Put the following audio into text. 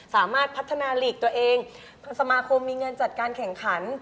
สามารถพัฒนาลีกตัวเองทางสมาคมมีเงินจัดการแข่งขัน